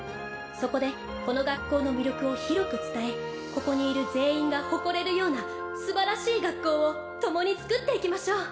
そこでこの学校の魅力を広く伝えここにいる全員が誇れるようなすばらしい学校を共につくっていきましょう。